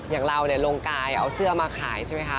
อย่างเราลงกายเอาเสื้อมาขายใช่ไหมคะ